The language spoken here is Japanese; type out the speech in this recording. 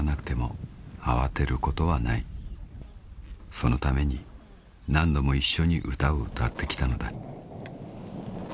［そのために何度も一緒に歌を歌ってきたのだ］